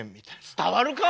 伝わるか！